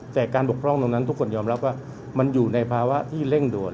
แต่การบกพร่องตรงนั้นทุกคนยอมรับว่ามันอยู่ในภาวะที่เร่งด่วน